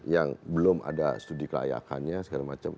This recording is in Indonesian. yang belum ada studi kelayakannya segala macam